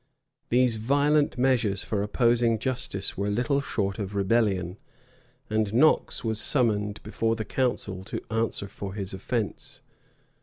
These violent measures for opposing justice were little short of rebellion; and Knox was summoned before the council to answer for his offence.